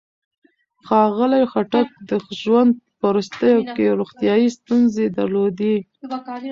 ښاغلي خټک د ژوند په وروستیو کې روغتيايي ستونزې درلودې.